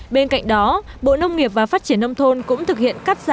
bên cạnh đó bộ nông nghiệp và phát triển nông thôn cũng thực hiện cắt giảm